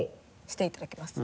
していただきます。